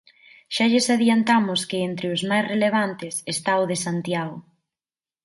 Xa lles adiantamos que entre os máis relevantes está o de Santiago.